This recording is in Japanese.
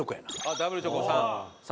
ダブルチョコ３。